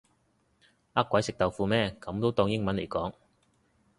呃鬼食豆腐咩噉都當英文嚟講